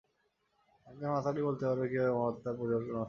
একজন মাতালই বলতে পারবে কীভাবে মদ তার পরিবারকে নষ্ট করেছে।